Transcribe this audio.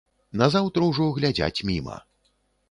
Назаўтра ўжо глядзяць міма.